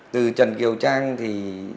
từ trần kiều trang thì